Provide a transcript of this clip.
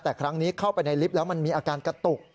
แต่ครั้งนี้เข้าไปในลิฟต์แล้วมันมีอาการกระตุก